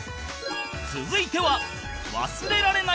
続いては